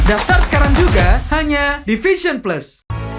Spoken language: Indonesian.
daftar sekarang juga hanya di fashion plus